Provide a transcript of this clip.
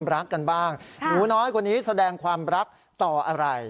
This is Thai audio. รักกันบ้างหนูน้อยคนนี้แสดงความรักต่ออะไร